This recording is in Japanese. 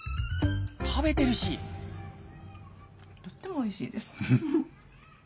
食べてるしとってもおいしいです。